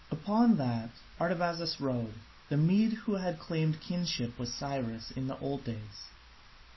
Upon that Artabazus rode, the Mede who had claimed kinship with Cyrus in the old days.